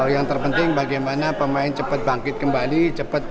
yang terpenting bagaimana pemain cepat bangkit kembali cepat